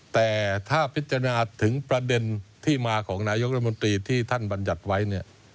แต่ถ้าพิจารณาถึงประเด็นที่มาของนายกรัฐมนตรีที่ท่านบรรยัติไว้เนี่ย